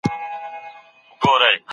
ارواپوهنه د څېړني په چارو کي مرسته کوي.